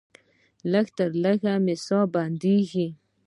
لږه لږه مې ساه بندیږي.